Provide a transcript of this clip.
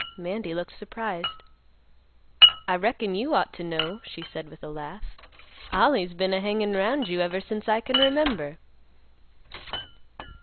Mandy looked surprised. "I reckon you ought to know," she said with a laugh; "Ollie's been a hangin' 'round you ever since I can remember."